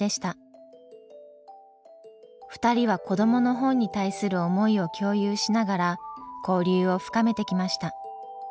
２人は子どもの本に対する思いを共有しながら交流を深めてきました。